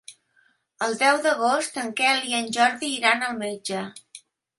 El deu d'agost en Quel i en Jordi iran al metge.